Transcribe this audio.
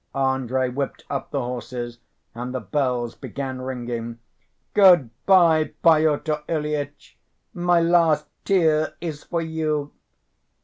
Andrey whipped up the horses, and the bells began ringing. "Good‐by, Pyotr Ilyitch! My last tear is for you!..."